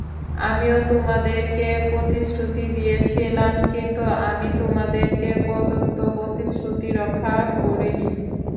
আমিও তোমাদেরকে প্রতিশ্রুতি দিয়েছিলাম, কিন্তু আমি তোমাদেরকে প্রদত্ত প্রতিশ্রুতি রক্ষা করিনি।